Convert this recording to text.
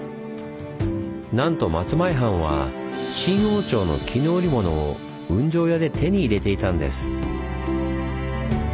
なんと松前藩は清王朝の絹織物を運上屋で手に入れていたんです。